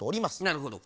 なるほど。